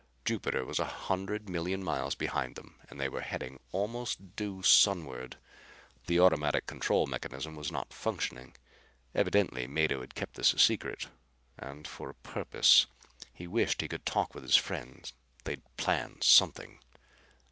Jupiter was a hundred million miles behind them and they were heading almost due sunward. The automatic control mechanism was not functioning. Evidently Mado had kept this a secret and for a purpose. He wished he could talk with his friend. They'd plan something.